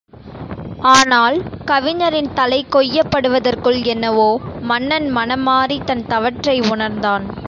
ஆனால், கவிஞரின் தலை கொய்யப் படுவதற்குள் என்னவோ, மன்னன் மனம் மாறி தன் தவற்றை உணர்ந்தான்.